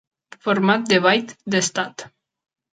Format de byte d'estat.